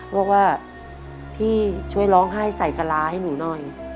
บอกว่าพี่ช่วยร้องไห้ใส่กะลาให้หนูหน่อย